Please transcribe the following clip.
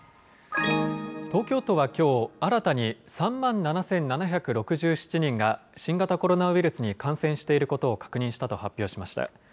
東京都はきょう、新たに３万７７６７人が新型コロナウイルスに感染していることを確認したと発表しました。